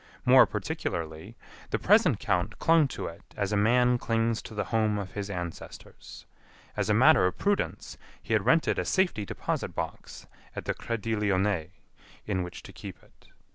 More particularly, the present count clung to it as a man clings to the home of his ancestors. As a matter of prudence, he had rented a safety deposit box at the Crédit Lyonnais in which to keep it.